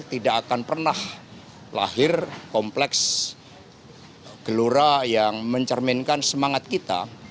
tidak akan pernah lahir kompleks gelora yang mencerminkan semangat kita